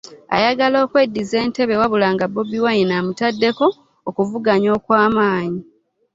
Ayagala okweddiza entebe wabula nga Bobi Wine amutaddeko okuvuganya okw'amaanyi.